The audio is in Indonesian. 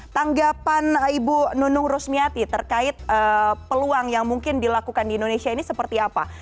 tanggapan ibu nunung rusmiati terkait peluang yang mungkin dilakukan di indonesia ini seperti apa